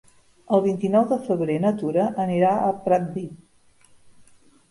El vint-i-nou de febrer na Tura anirà a Pratdip.